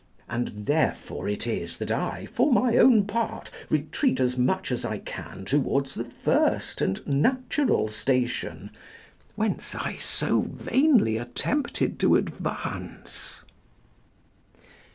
And therefore it is that I, for my own part, retreat as much as I can towards the first and natural station, whence I so vainly attempted to advance.